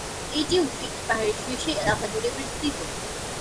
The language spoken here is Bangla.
এটি উঁচু একটি পাহাড়ের শীর্ষে এলাকা জুড়ে বিস্তৃত।